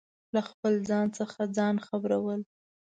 له خپل ځان څخه ځان خبرو ل